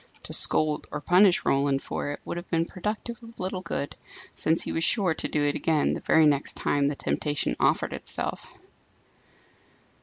To scold or punish Roland for it, would have been productive of little good, since he was sure to do it again the very next time the temptation offered itself.